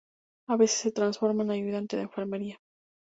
A veces se transforma en ayudante de enfermería.